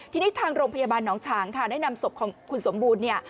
ทีนี้ทางโรงพยาบาลน้องฉังได้นำศพของคุณสมบูรณ์